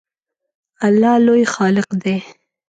الله لوی خالق دی